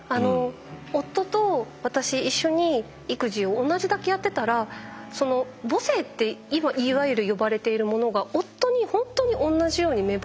夫と私一緒に育児を同じだけやってたらその母性っていわゆる呼ばれているものが夫にほんとにおんなじように芽生えてて。